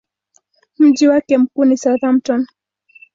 Mji wake mkuu ni Southampton.